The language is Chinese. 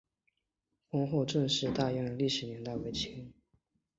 厚丰郑氏大厝的历史年代为清。